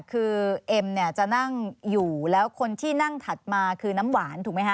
คือเอ็มเนี่ยจะนั่งอยู่แล้วคนที่นั่งถัดมาคือน้ำหวานถูกไหมฮะ